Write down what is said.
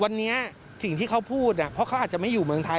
วันนี้สิ่งที่เขาพูดเพราะเขาอาจจะไม่อยู่เมืองไทย